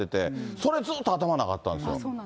それ、ずっと頭ん中あったんですよ。